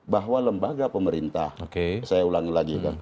bahwa lembaga pemerintah saya ulangi lagi kan